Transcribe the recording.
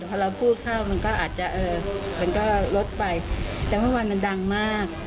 พอเราพูดเข้ามันก็อาจจะเออมันก็ลดไปแต่เมื่อวานมันดังมาก